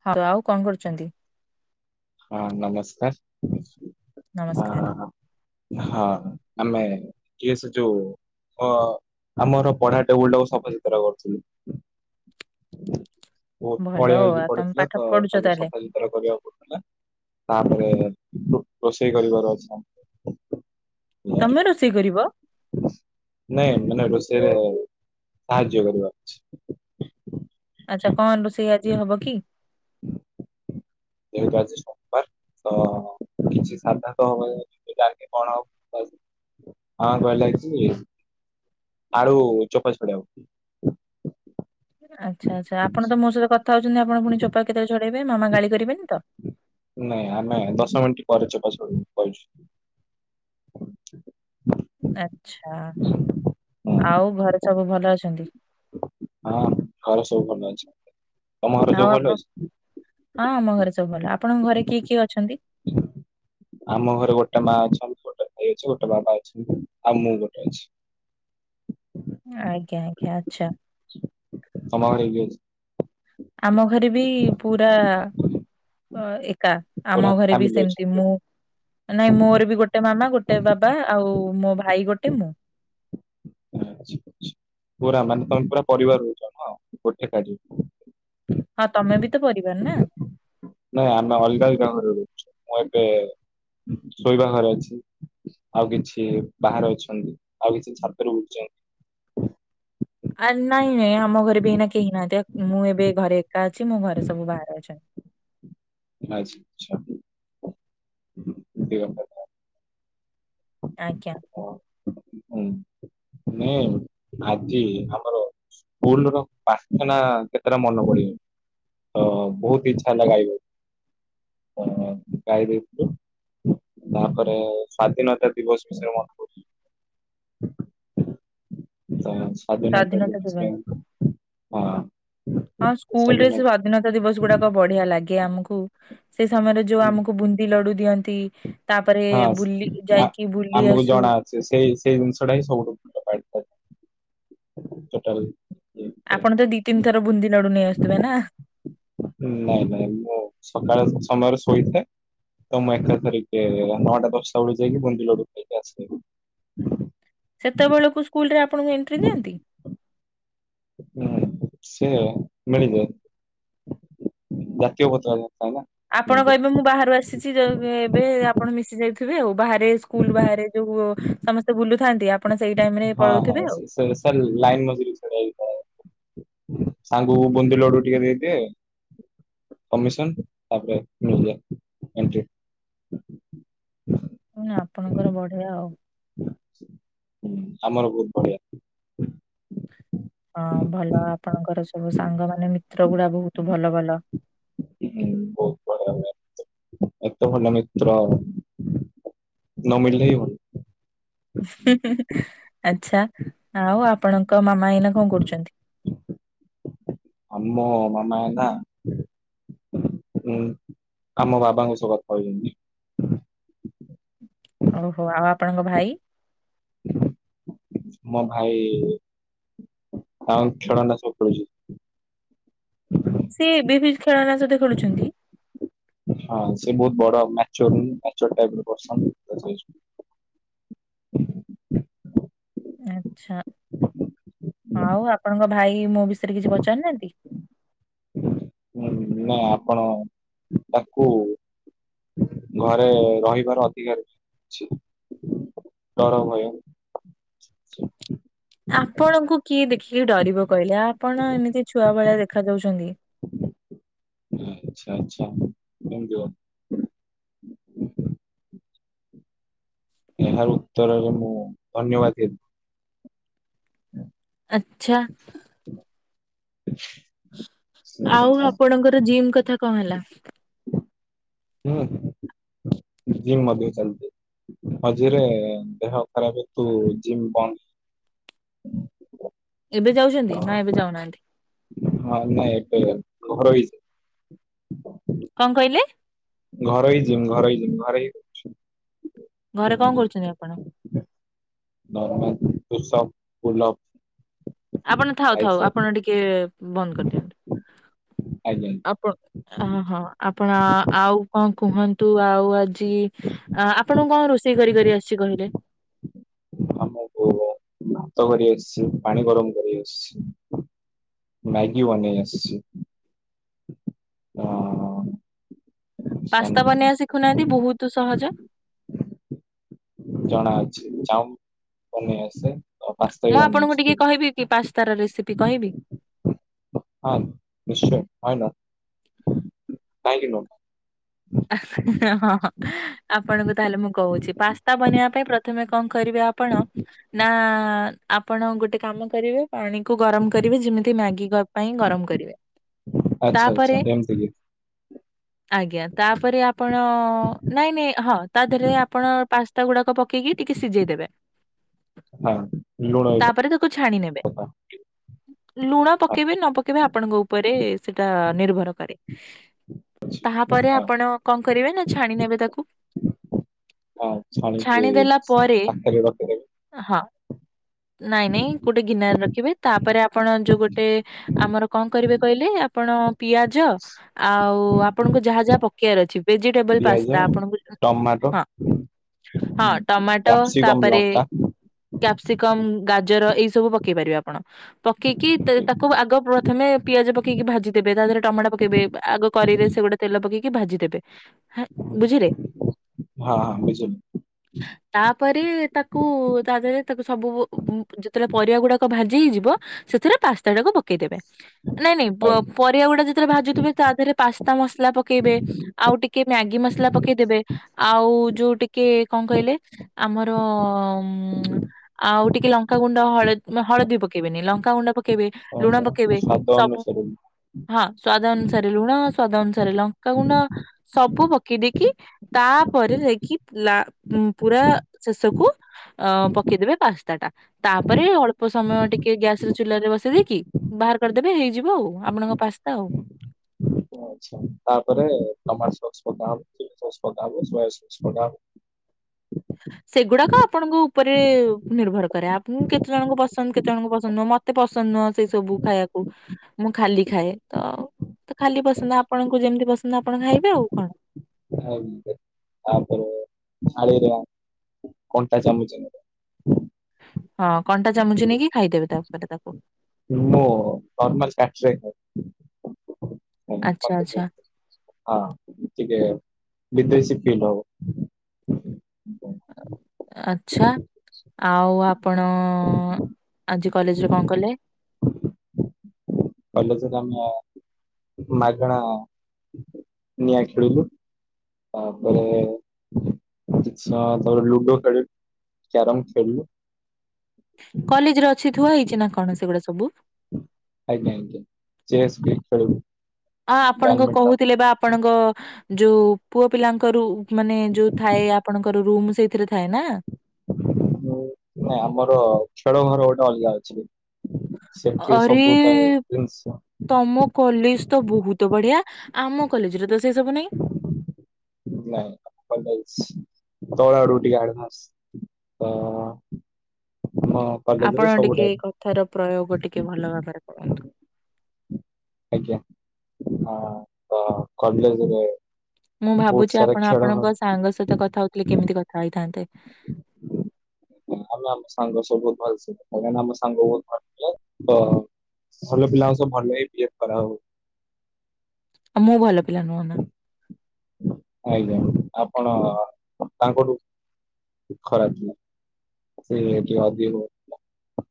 [unintelligible] କଣ କରୁଚନ୍ତି? ହଁ ନମସ୍କାର। ନମସ୍କାର ହ ହଁ। ଆମେ କିଏ ସେ ଯୋଉ ଆମର ପଢା ଟେବୁଲ ଟାକୁ ସଫ ସୁତୁରା କରୁଥିଲୁ। ଭଲ ପଳିଆ ଆଉ ହେଇକି ଆଉ ତମେ ପଡିଥିଲା ପାଠ ତ ପଢୁଛ ତାକୁ ତାହେଲେ ସଫା ସୁତୁରା କରିବାକୁ ପଡୁଥିଲା। ତାପରେ ରୋଷେଇ କରିବାର ଅଛି। ତମେ ରୋଷେଇ କରିବ? ସେ ସାହାଯ୍ୟ କରିବ। ଆଚ୍ଛା କଣ ରୋଷେଇ ଆଜି ହବ କି? ଯେହେତୁ ଆଜି ତ କିଛି ସାଧା ତ ହବ ଜାଣେ କଣ ହବ ହଁ କହିଲ ଲାଗିଛି ଆଳୁ ଚୋପା ଛଡେଇ ଆକୁ ଆଚ୍ଛା ଆଚ୍ଛା ଆପଣ ତ ମୋ ସହିତ କ ଯାଉଛନ୍ତି ଆପଣ ପୁଣି ଚୋପା କେତେ ଛଡେ ମାମା ଗାଳି କରିବେନି ତ। ନାଇଁ ଆମେ ଦଶ ମିନିଟ ପରେ ଚୋପା ଛଡେଇବୁ କଇଚୁ। ଆଛା ହୁଁ। ଆଉ ଘରେ ସବୁ ଭଲ ଅଛନ୍ତି? ହଁ ଘରେ ସବୁ ଭଲ ଅଛି। ତମ ଘରେ ଆଉ ସବୁ ଭଲ ଆପଣ ଅଛି? ହଁ ଆମ ଘରେ ସବୁ ଭଲ ଆପଣଙ୍କ ଘରେ କିଏ କିଏ ଅଛନ୍ତି? ଆମ ଘରେ ଗୋଟେ ମା ଅଛନ୍ତି, ଗୋଟେ ଭାଇ ଅଛି ଗୋଟେ ବାବା ଅଛନ୍ତି ଆଉ ମୁଁ ଗୋଟେ ଅଛି। ଆଜ୍ଞା ଆଜ୍ଞା ଆଛା। ତମ ଘରେ କିଏ ଅଛି? ଆମ ଘରେ ବି ପୁରା ହ ଏ କା ପୁରା ଆମ ଘରେ ବି ଫ୍ୟାମିଲି ସେମତି ଅଛନ୍ତି। ମୁଁ ନାଇଁ ମୋର ବି ଗୋଟେ ମାମା ଗୋ ଟେ ବାବା ଆଉ ମୋ ଭାଇ ଗୋଟେ ମୁଁ। ପୁରା ମାନେ ତମେ ପୁରା ପରିବାର ରହୁଚ ହଁ ଗୋଟେ ସାରି। ହଁ ତମେ ବି ତ ପରିବାର ନା ନାଇଁ ଆମ ଅଲଗା ଅଲଗା ଘରେ ରହୁଚୁ। ମୁଁ ଏବେ ଶୋଇବା ଘରେ ଅଛି। ଆଉ କିଛି ବାହାରେ ଅଛନ୍ତି ଆଉ କିଛି ଛାତରେ ଉଠୁଛନ୍ତି। ଆ ନାଇଁ ନାଇ। ଆମ ଘରେ ବି ନା କେହି ନା ମୁଁ ଏବେ ଘରେ ଏକା ଅଛି ମୋ ଘରେ ସବୁ ବାହାରେ ଅଛନ୍ତି। ଆ ହଁ। ଆଜ୍ଞା ହ ହଁ। ନାଇ ଆଜି ଆମର ସ୍କୁଲ ର ପାଖାନା କେତେଟା ମନେ ପଳିବ ତ ବହୁତ ଇଚ୍ଛା ହେଲା ଗାଇବାକୁ ଗାଇ ଦେଇଥିଲୁ ତାପରେ ସ୍ଵାଧୀନତା। ଦିବସ ବିସିରେ ମନ କରଛି। ସ୍ଵାଧୀନତା ଦିବସ ହଁ ହଁ ସ୍କୁଲ ରେ ସ୍ଵାଧୀନ ସ୍ଵାଧୀନତା ଦିବସ ଗୁଡାକ ବଢିଆ ଲାଗେ ଆମକୁ ସେ ସମୟରେ ଯୋଉ ହଁ ଆମକୁ ବୁନ୍ଦି ଲଡୁ ଦିଅନ୍ତି ତାପରେ ବୁଲି ଆ ଯାଇକି ବୁଲି ଆମକୁ ଆସୁ। ଜଣା ଅଛି ସେଇ ସେଇ ଜିନିଷଟା ହିଁ ସବୁଠୁ ଭଲଟାଲ ଆପଣ ତ ଦି ତିନି ଥର ବୁନ୍ଦି ଲଡୁ ନେଇ ଆସୁଥିବେ ନା। ଥୋଇ ଥାଏ ତ ମୁ ରିକ ନଅଟା ଦଶଟା ବେଳକୁ ଯାଇକି ବନ୍ଦ ଲଡୁ ଖାଇକି ଆସିବ। ସେତେବେଳକୁ ସ୍କୁଲରେ ଆପଣ ଙ୍କୁ ଏଣ୍ଟ୍ରି ଯାଆନ୍ତି। ହୁଁ ସେ ମିଳିଯାଏ ଜାତୀୟ ପତକା ଆପଣ କହିବେ ମୁଁ ବାହାରୁ ଆସିଛିଉ ଏବେ ଆପଣ ମିଶି ଯାଇ ଆଉ ବାହାରେ ସ୍କୁଲ ବାହାରେ ଯଉ ସମସ୍ତେ ବୁଲୁଥାନ୍ତି। ଆପଣ ସେଇ ଟାଇମ ରେ ହଁ ହଁ ପଳଉଥିବେ ଆଉ ସେଲ୍ ସାଲ ଲାଇନ ମଜୁର ଛଡେଇ ଥାଏ। ସାଙ୍ଗକୁ ବୁନ୍ଦି ଲଡୁ ଟିକେ ଦେଇଦିଏ କମିଶନ ତା ପରେ [unintelligible] [unintelligible] ନା ଆପଣଙ୍କର ବଢିଆ ଆଉ। ହୁଁ ଆମର ବହୁତ ବଢିଆ। ହଁ ଭଲ ଆପଣଙ୍କର ସବୁ ସାଙ୍ଗ ମାନେ ମିତ୍ର ଗୁଡା ବହୁତ ଭଲ ଭଲ। ହୁଁ ବହୁତ ବଢିଆ ହୁଏ। ଏତେ ଭଲ ମିତ୍ର ନ ମିଳିଲେ ହିଁ ଭଲ। ଉଁ ହୁଁ ହୁଁ ଆଚ୍ଛା ଆଉ ଆପଣଙ୍କ ମାମା ଏଇନା କଣ କରୁଛନ୍ତି। ଆମ ମାମା ଏଇନା ଆମ ବାବାଙ୍କ ସହ କଥା ହେଉଛନ୍ତି। ଓହୋ ଆଉ ଆପଣଙ୍କ ଭାଇ। ମୋ ଭାଇ ତା ଖେଳନା ସହ ସବୁ ଖେଳୁଛି। ସିଏ ଏବେବି ଖେଳନା ସହିତ ଖେଳୁଛନ୍ତି। ହଁ ସେ ବହୁତ ବଡ ମାଚ୍ୟର ମ୍ୟାଚର ଟାଇପ ର ପର୍ସନ। ଆଛା ଆଉ ଆପଣଙ୍କ ଭାଇ ମୋ ବିଷୟରେ କିଛି ପଚାରୁନାହାନ୍ତି! ହୁଁ ନା ଆପଣ ତାକୁ ଘରେ ରହିବାର ଅଧିକାର ଅଛି ଡର ଭୟ ଆପଣଙ୍କୁ କିଏ ଦେଖ କି ଡରିବ କହିଲେ ଆପଣ ଏମିତି ଛୁଆ ଭଳିଆ ଦେଖା ଯାଉଛନ୍ତି। [unintelligible] ଏହାର ଉତ୍ତରରେ ମୁଁ ଧନ୍ୟବାଦ ଦେବି। ହୁଁ। ଆଛା। [unintelligible] [unintelligible] ଆଉ ଆପଣଙ୍କର ଜିମ୍ କ କଥା କଣ ହେଲା? ହୁଁ ଜିମ୍ ମଧ୍ୟ ଚାଲିଛି ମଝିରେ ଦେହ ଖରାପ ହେତୁ ଜିମ୍ ବନ୍ଦ। ଏବେ ଯାଉଛନ୍ତି ନା ଏବେ ଯାଉନାହାନ୍ତି? ହଁ ନାଇଁ ଏବେ ଘରୋଇ କଣ କହିଲେ? ଘରୋଇ ଜିମ ଘରୋଇ ଜିମ୍ ଘରେ ହିଁ ରହୁଛୁ। ଘରେ କଣ କରୁଛନ୍ତି ଆପଣ? Normal push up, pull up. ଆପଣ ଥାଉ ଥାଉ ଆପଣ ଟିକେ ବନ୍ଦ କରିଦିଅନ୍ତୁ। ଆଜ୍ଞା ଆପଣ ହ ହଁ ଆପଣ ଆଉ ହଁ କୁହନ୍ତୁ ଆଉ ଆଜି ଆପଣଙ୍କୁ କଣ ରୋଷେଇ କରି କରି ଆସିଛି କହିଲେ? ଆମକୁ ଭାତ କରି ଆସିଛି, ପାଣି ଗରମ କରି ଆସୁଛି, ମ୍ୟାଗି ବନେଇ ଆସିଛି, ଆ ପାସ୍ତା ବନେଇବା ଶିଖୁନାହାନ୍ତି ବହୁତ ସହଜ। ଜଣା ଅଛି ଚାଉମିନ ବନେଇ ଆସେ। ଆଉ ପାସ୍ତା ବି ମୁଁ ବନେଇ ଆପଣଙ୍କୁ ଆସେ। ଟିକେ କହିବି କି ପାସ୍ ତାର ରେସିପି କହିବି? ହଁ ନିଶ୍ଚୟ କହିଲ କାହିଁକି ନୁହଁ। ହଁଁ ହଁ ଆପଣଙ୍କୁ ତାହେଲେ ମୁଁ କହୁଛି ପାସ୍ତା ବନେଇବା ପାଇଁ ପ୍ରଥମେ କଣ କରିବେ ଆପଣ ନା ଆପଣ ଗୋଟେ କାମ କରିବେ ପାଣି କୁ ଗରମ କରିବେ ଯେମିତି ମ୍ୟାଗି ପାଇଁ ଗରମ କରିବେ। ଆଚ୍ଛା ତାପରେ ଆଚ୍ଛା ଏମିତିକି। ଆଜ୍ଞା। ତାପରେ ଆ ଆପଣ ନାଇଁ ନାଇଁ ହଁ ତା ଦେହରେ ଆପଣ ପାସ ତା ଗୁଡାକ ପକେଇକି ଟିକେ ସିଝେଇ ଦେବେ। ତାପରେ ତାକୁ ଛାଣି ନେବେ, ଲୁଣ ପକେଇବେ ନ ପକେଇବେ ଆପଣଙ୍କ ଉପରେ ସେଟା ନିର୍ଭର କରେ। ତାହାପରେ ଆପ୍ ଆପଣ କଣ କରିବେ ନା ଛାଣି ନେବେ ତାକୁ। ହଁ ଛାଣିକି ଛାଣି ଦେଲା ପରେ ପାଖେରେ ପାଖେରେ ହଁ ନାଇଁ ନାଇଁ ଗୋଟେ ଗିନାରେ ରଖିବେ। ତାପରେ ଆପଣ ଯୋଉ ଗୋଟେ ଆମର କଣ କରିବେ କହିଲେ ଆପଣ ପିଆଜ ଆଉ ଆପଣଙ୍କୁ ଯାହା ଯାହା ପକ୍ କେଆର ଅଛି। ଭେଜିଟେବଲ ପିଆଜ ପାସ୍ତା ଆପଣଙ୍କୁ ଟମାଟୋ ହଁ ହଁ ଟମାଟୋ କ୍ୟାପ୍ସିକମ୍ ତାପରେ ଲଙ୍କା କ୍ୟାପ୍ସିକମ୍ ଗାଜର ଏଇ ସବୁ ପକେଇ ପାରିବେ ଆପଣ। ପକେଇକି ତେ ଏମିତି। ତାକୁ ଆଗ ପ୍ର ପ୍ରଥମେ ପିଆଜ ପକେଇକି ଭାଜିଦେବେ। ତା ଦେହରେ ଟମାଟ ପକେଇବେ। ଆଗ କରେଇରେ ସେ ଗୋଟେ ତେଲ ପକେଇକ୍ କି ଭାଜିଦେବେ। ବୁଝିଲେ ହଁ ହଁ ବୁଝିଗଲି। ତାପ୍ ପରେ ତାକୁ ତା ଦେହରେ ତାକୁ ସବୁ ବୁ ବୁ ଯେତେବେଳେ ପରିବା ଗୁଡାକ ଭାଜି ହେଇଯିବ ସେଥିରେ ପାସ୍ତାଟାକୁ ପକେଇଦେବେ। ନାଇଁ ନାଇଁ ବ ଆଜ୍ଞା ପରିବା ଗୁଡା ଯେତେବେଳେ ଭାଜୁଥିବେ ତା ଦେହରେ ପାସ୍ ତା ମସଲା। ପକେଇବେ ଆଉ ଟିକେ ମ୍ୟାଗି ମସଲା ପକେଇଦେବେ। ଆଉ ଯୋଉ ଟିକେ କଣ କହିଲେ ଆମର ଅମ୍ ଆଉ ଟିକେ ଲଙ୍କାଗୁଣ୍ଡ ହଳଦ୍ ହଳଦୀ ପକେଇବେନି ଲଙ୍କାଗୁଣ୍ଡ ପକ୍ କେଇବେ କଣ ଲୁଣ ଦେବା? ପକେଇବେ ସ୍ୱାଦ ସବୁ ଅନୁସାରେ ହଁ ସ୍ଵାଦ ଅନୁସାରେ ଲୁଣ। ସ୍ୱାଦ ଅନୁସାରେ ଲ ଙ୍କାଗୁଣ୍ଡ ସବୁ ପ କି ଦେଇକି ତାପରେ ଯାଇକି ଲା ପୁରା ଶେଷକୁ ଅ ପକେଇଦେବେ ପାସ୍ତା ଟା ତାପରେ ଅଳ୍ପ ସମୟ ଟିକେ ଗ୍ୟାସର ଚୁଲାରେ ବସେଇ ଦେଇକି ବାହାର କରିଦେବେ ହେଇଯିବ ଆଉ ଆପଣଙ୍କ ପାସ୍ତା ଆଉ। ଆଛା ତାପରେ ଟମାଟୋସସ୍ ପକାହବ। ଚିଲିସସ୍ ପକାହବ। ସୋୟାସସ୍ ପକାହବ। ସେଗୁଡାକ ଆପଣଙ୍କ ଉପରେ ନିର୍ଭର କରେ। ଆପ୍ ଉଁ କେତେ ଜଣଙ୍କୁ ପସନ୍ଦ କେତେ ଜଣଙ୍କୁ ପସନ୍ଦ ନୁହଁ, ମତେ ପସନ୍ଦ ନୁହଁ ସେଇ ସବୁ ଖାଇବାକୁ, ମୁଁ ଖାଲି ଖାଏ ତ ଖାଲି ପସନ୍ଦ ଆପଣଙ୍କୁ ଯେମିତି ପସନ୍ଦ ଆପଣ ଖାଇବେ ଆଉ କଣ? ତାପରେ ଥାଳିରା କଣ୍ଟା ଚାମଚରେ। ହଁ, କଣ୍ଟା ଚାମଚ ନେଇକି ଖାଇଦେବେ ତା ଉପରେ ତାକୁ। ମୁଁ ନର୍ମାଲ [unintelligible] ଆଚ୍ଛା ଆଚ୍ଛା ହଁ, ଟିକେ ବିଦେଶୀ ପିଇଲେ ହବ। ଆଛା ଆଉ ଆପ୍ ଆପଣ, ଆଜି କଲେଜରେ କଣ କଲେ? କଲେଜରେ ଆମ ମାଗଣା ନିଆଁ ଖେଳିଲୁ, ତାପରେ କିଛି ସମୟ ତଳେ ଲୁଡୋ ଖେଳିଲୁ। କ୍ୟାରମ ଖେଳିଲୁ। କଲେଜରେ ଅଛି ଥୁଆ ହେଇଛି ନା କଣ ସେଗୁଡା ସବୁ? ଆଜ୍ଞା ଆଜ୍ଞା ଚେସ୍ ବି ଖେଳୁ। ହଁ, ଆପଣଙ୍କ କହୁଥିଲେ ବା ଆପଣଙ୍କ ଯୋଉ ପୁଅ ପିଲାଙ୍କରୁ ମାନେ ଯୋଉ ଥାଏ ଆପଣଙ୍କର ରୁମ୍ ସେଇଥିରେ ଥାଏ ନା? ନା, ଆମର ଖେଳ ଘର ଗୋଟେ ଅଲଗା ଅଛି। ସେଠି ଆରେ ସବୁ ଥାଏ ଜିନିଷ ତମ କଲେଜ ତ ବହୁତ ବଢିଆ। ଆମ କଲେଜରେ ତ ସେଇ ସବୁ ନାଇଁ! ନାଇଁ ଭଲ ହେଇଛି ତଳ ଆଡୁ ଟିକେ ଆଡଭାନ୍ସ ତ ଆମ କଲେଜରେ ଆପଣ ସବୁ ଟିକେ ଟାଇପ କଥାର ପ୍ରୟୋଗ ଟିକେ ଭଲ ଭାବରେ କରନ୍ତୁ। ଆଜ୍ଞା, ତ କଲେଜରେ ମୁଁ ବହୁତ ଭାବୁଛି ସାରା ଆପଣ ଖେଳ ଘର ଆପଣଙ୍କ ସାଙ୍ଗ ସହିତ କଥା ହଉଥିଲେ କେମିତି କଥା ହେଇଥାନ୍ତେ? ଆମେ ଆମ ସାଙ୍ଗ ସବୁ ଭଲସେ କଥା ହେଇଥାନ୍ତୁ, ଆମ ସାଙ୍ଗ ସବୁ ବହୁତ ଭଲ ପିଲା ତ ଭଲ ପିଲାଙ୍କ ସହ ଭଲ ହିଁ ବିହେବ କରାହବ। ଆଉ ମୁଁ ଭଲ ପିଲା ନୁହଁ ନା? ଆଜ୍ଞା, ଆପଣ ତାଙ୍କଠୁ ଖରାପ ପିଲା ସେ ଟିକେ ଅଧିକ ଭଲପିଲା।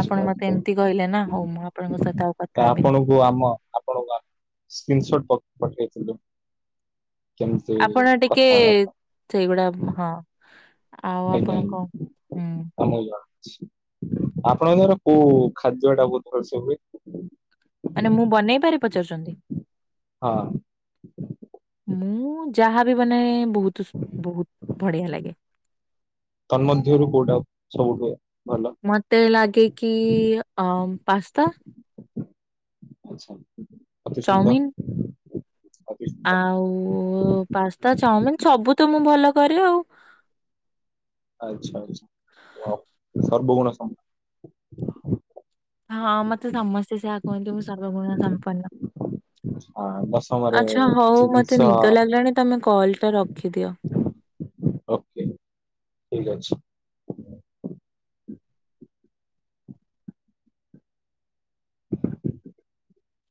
ଆପଣ ମତେ ଏମତି କହିଲେ ନା ହଉ ମୁଁ ଆପଣଙ୍କ ସହିତ ଆଉ କଥା ତ ହେବିନି। ଆପଣଙ୍କୁ ଆମ ଆପଣଙ୍କୁ ଆମେ [unintelligible] କେମିତି ଆପଣ ଟିକେ କଥାବାର୍ତ୍ତା ସେଇଗୁଡା ହଁ। ଆଉ ହୋଇ ଆପଣ କଣ ହୁଁ ଆମ [unintelligible] ଆପଣଙ୍କର କୋଉ ଖାଦ୍ୟ ଟା ବହୁତ ସେ ହୁଏ। ମାନେ ମୁଁ ବନେଇପାରେ ପଚାରୁଛନ୍ତି? ହଁ ମୁଁ ଯାହା ବି ବନାଏ ବହୁତ ବହୁତ ବଢିଆ ଲାଗେ। ତା ମଧ୍ୟରୁ କୋଉଟା ସବୁଠୁ ଭଲ ମତେ ଲାଗେ କି ଅ ପାସ୍ତା। ଆଚ୍ଛା ଅତି ସୁନ୍ଦର। ଚାଉମିିନ ଅଭିଗନ୍ତ। ଓ ପାସ୍ତା ଚାଉମିିନ ସବୁ ତ ମୁଁ ଭଲ କରେ ଆଉ। ଆଚ୍ଛା ଆଚ୍ଛା। ହଁ। ସର୍ବଗୁଣ ସମ। ହଁ ମତେ ସମସ୍ତେ ସେଇଆ କୁହନ୍ତି ମୁଁ ସର୍ବଗୁଣ ସମ୍ପନ୍ନ। ଆ ଦଶମରେ ଆଚ୍ଛା ହଉ ମତେ ଜିନିଷ ନିଦ ଲାଗିଲାଣି ତମେ କଲ ଟା ରଖିଦିଅ। ଓକେ ଠିକ ଅଛି। [inaudible]